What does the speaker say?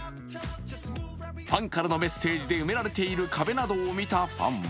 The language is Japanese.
ファンからのメッセージで埋められている壁などを見たファンは